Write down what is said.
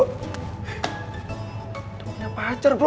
ternyata pacar bro